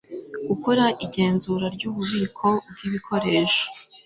Gukora igenzura ry ububiko bw ibikoresho